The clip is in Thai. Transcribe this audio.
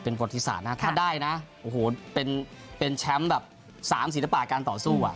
เป็นประวัติศาสตร์นะถ้าได้นะโอ้โหเป็นแชมป์แบบ๓ศิลปะการต่อสู้